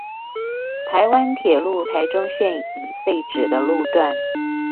臺灣鐵路臺中線已廢止的路段